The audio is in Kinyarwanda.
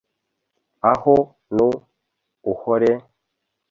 Aho nu* uhore,